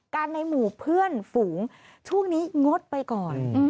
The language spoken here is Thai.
กันในหมู่เพื่อนฝูงช่วงนี้งดไปก่อน